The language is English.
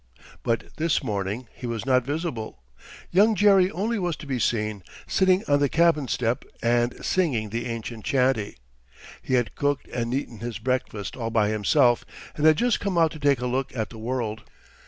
But this morning he was not visible. Young Jerry only was to be seen, sitting on the cabin step and singing the ancient chantey. He had cooked and eaten his breakfast all by himself, and had just come out to take a look at the world.